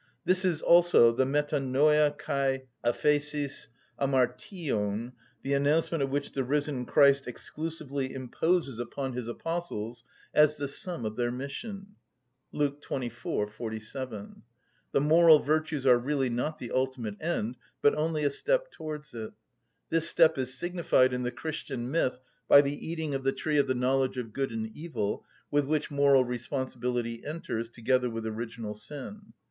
This is also the μετανοια και αφεσις ἁμαρτιων, the announcement of which the risen Christ exclusively imposes upon His Apostles as the sum of their mission (Luke xxiv. 47). The moral virtues are really not the ultimate end, but only a step towards it. This step is signified in the Christian myth by the eating of the tree of the knowledge of good and evil, with which moral responsibility enters, together with original sin.